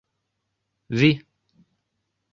Vi!!!